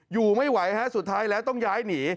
อยู่ไม่ไหวฮะสุดท้ายแล้วต้องย้ายหนี